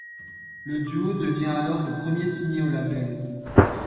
Le duo devient alors le premier signé au label.